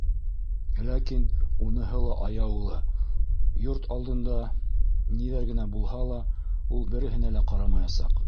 Ләкин уныһы ла аяулы, йорт алдында... ниҙәр генә булһа ла, ул береһенә лә ҡарамаясаҡ.